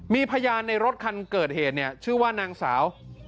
มีพยานในรถคันเกิดเหตุเนี่ยชื่อว่านางสาว